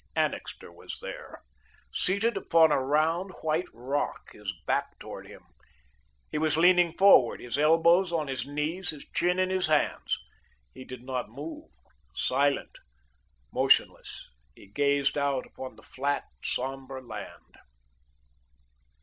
Annixter was there, seated upon a round, white rock, his back towards him. He was leaning forward, his elbows on his knees, his chin in his hands. He did not move. Silent, motionless, he gazed out upon the flat, sombre land.